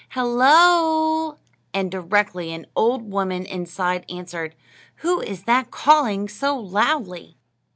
Hul lo!" And directly an old woman inside answered, "Who is that calling so loudly?"